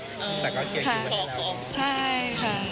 แต่ก็เคี้ยงอยู่ภายเรา